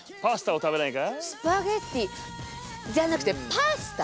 スパゲッティじゃなくてパスタ？